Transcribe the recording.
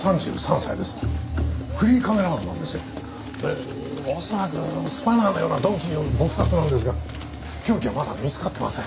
フリーカメラマンなんですよ。で恐らくスパナのような鈍器による撲殺なんですが凶器はまだ見つかってません。